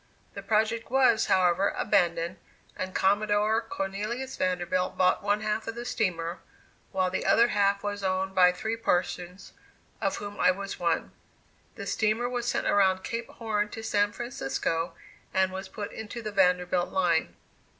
The project was, however, abandoned, and Commodore Cornelius Vanderbilt bought one half of the steamer, while the other half was owned by three persons, of whom I was one. The steamer was sent around Cape Horn to San Francisco, and was put into the Vanderbilt line.